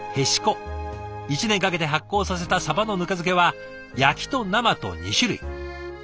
１年かけて発酵させたサバのぬか漬けは焼きと生と２種類。